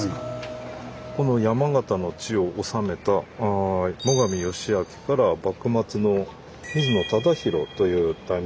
この山形の地を治めた最上義光から幕末の水野忠弘という大名。